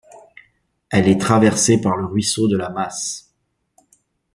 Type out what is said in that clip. Elle est traversée par le ruisseau de la Masse.